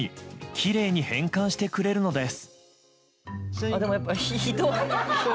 きれいに変換してくれるのです。